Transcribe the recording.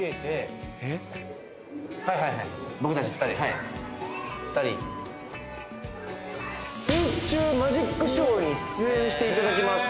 はいはいはい「水中マジックショーに出演して頂きます」